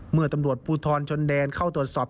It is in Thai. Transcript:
เมื่อตำรวจภูทรชนแดนเข้าตรวจสอบ